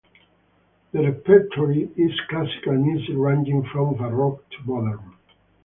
The repertoire is classical music ranging from baroque to modern.